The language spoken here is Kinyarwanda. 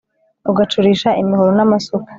ugacurisha imihoro n'amasuka